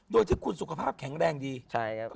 โดยที่คุณสุขภาพแข็งแรงดีใช่ครับ